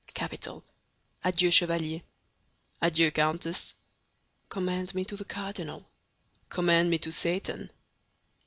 "Capital! Adieu, Chevalier." "Adieu, Countess." "Commend me to the cardinal." "Commend me to Satan."